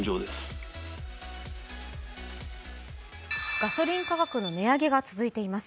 ガソリン価格の値上げが続いています。